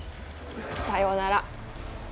さよなら。